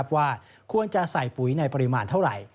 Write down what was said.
ว่าควรจะใส่ปุ๋ยในปริมาณเท่าไหร่